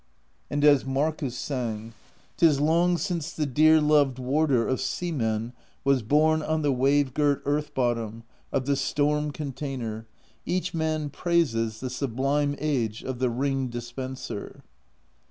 And as Markiis sang: 'Tis long since the dear loved Warder Of sea men was born on the wave girt earth bottom Of the Storm Container; each man praises The sublime age of the Ring Dispenser.